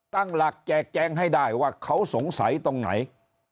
ตั้งหลักแจกแจงให้ได้ว่าเขาสงสัยตรงไหน